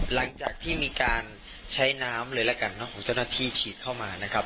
หลังจากที่มีการใช้น้ำเลยละกันของเจ้าหน้าที่ฉีดเข้ามานะครับ